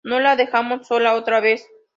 No la dejemos sola otra vez.